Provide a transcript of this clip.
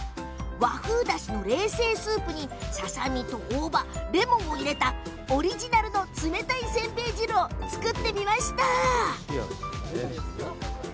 和風だしの冷製スープにささ身と大葉、レモンを入れたオリジナルの冷たいせんべい汁を作ってみたんです。